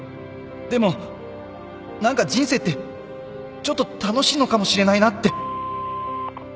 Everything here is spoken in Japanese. でも何か人生ってちょっと楽しいのかもしれないなって